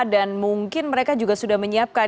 dan mungkin mereka juga sudah menyiapkan